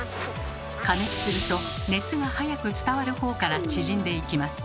加熱すると熱がはやく伝わるほうから縮んでいきます。